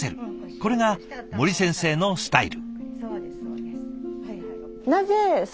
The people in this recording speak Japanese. これが森先生のスタイル。